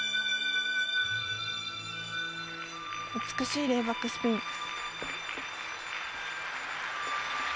美しいレイバックスピン。